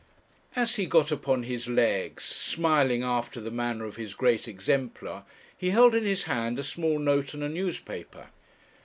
As he got upon his legs, smiling after the manner of his great exemplar, he held in his hand a small note and a newspaper.